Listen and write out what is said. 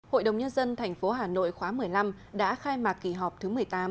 hội đồng nhân dân tp hà nội khóa một mươi năm đã khai mạc kỳ họp thứ một mươi tám